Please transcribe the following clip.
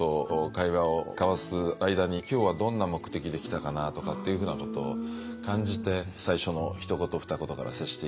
会話を交わす間に今日はどんな目的で来たかなとかっていうふうなことを感じて最初のひと言ふた言から接していくっていうことなんですね。